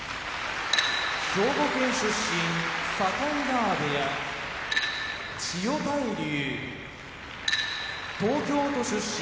兵庫県出身境川部屋千代大龍東京都出身